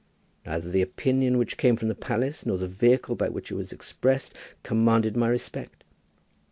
Neither the opinion which came from the palace, nor the vehicle by which it was expressed, commanded my respect.